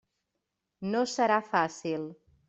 No serà fàcil.